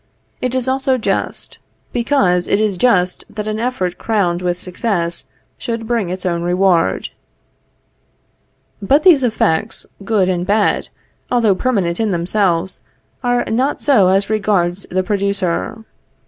It is also just; because it is just that an effort crowned with success should bring its own reward. But these effects, good and bad, although permanent in themselves, are not so as regards the producer.